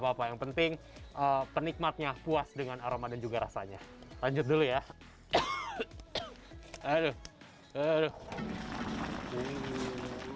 bapak yang penting penikmatnya puas dengan aroma dan juga rasanya lanjut dulu ya aduh aduh